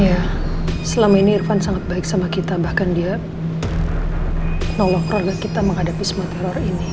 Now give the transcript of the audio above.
ya selama ini irfan sangat baik sama kita bahkan dia nolok keluarga kita menghadapi semua teror ini